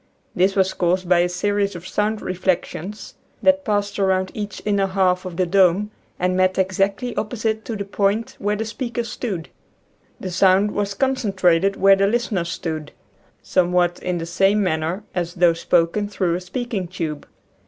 This was caused by a series of sound reflections that passed around each inner half of the dome and met exactly opposite to the point where the speaker stood. The sound was concentrated where the listener (~~ j , Original from UNIVERSITY OF WISCONSIN ficbo Heaaonance. 69 stood, somewhat in the same manner as though spoken through a speaking tube.